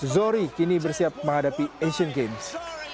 zohri kini bersiap menghadapi asian games